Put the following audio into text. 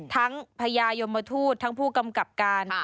พญายมทูตทั้งผู้กำกับการ